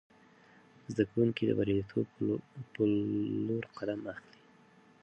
زده کوونکي د بریالیتوب په لور قدم اخلي.